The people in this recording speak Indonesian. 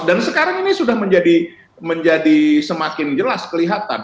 dan sekarang ini sudah menjadi semakin jelas kelihatan